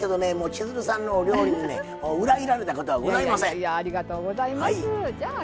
千鶴さんのお料理にね裏切られたことはございません。